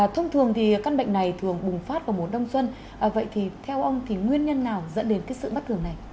thông thường thì căn bệnh này thường bùng phát vào mùa đông xuân vậy thì theo ông thì nguyên nhân nào dẫn đến sự bất thường này